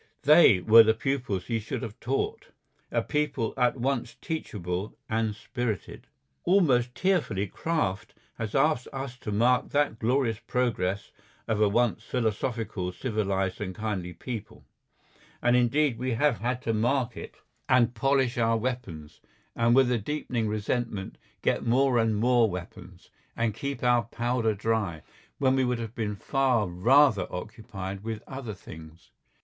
They were the pupils he should have taught. A people at once teachable and spirited. Almost tearfully Kraft has asked us to mark that glorious progress of a once philosophical, civilised, and kindly people. And indeed we have had to mark it and polish our weapons, and with a deepening resentment get more and more weapons, and keep our powder dry, when we would have been far rather occupied with other things.